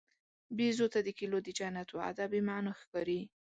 بیزو ته د کیلو د جنت وعده بېمعنی ښکاري.